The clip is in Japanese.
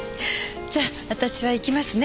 じゃあ私は行きますね。